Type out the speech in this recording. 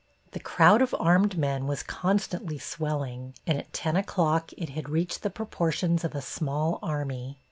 The crowd of armed men was constantly swelling, and at 10 o'clock it had reached the proportions of a small army.